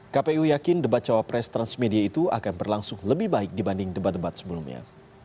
kpu yakin debat cawapres transmedia itu akan berlangsung lebih baik dibanding debat debat sebelumnya